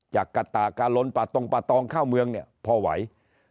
จากกะตากาลนปะตงปะตองเข้าเมืองเนี่ยพอไหว